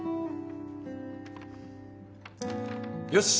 よし。